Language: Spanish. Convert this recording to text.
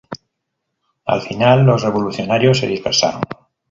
Al final los revolucionarios se dispersaron.